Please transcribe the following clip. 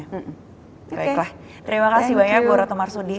baiklah terima kasih banyak bu ratu marsudi